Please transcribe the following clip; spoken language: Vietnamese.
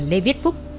lê viết phúc